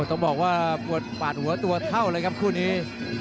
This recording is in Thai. ต้องบอกว่าปวดปาดหัวตัวเท่าเลยครับคู่นี้